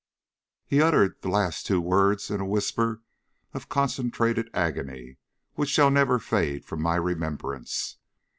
He uttered the last two words in a whisper of concentrated agony which shall never fade from my remembrance.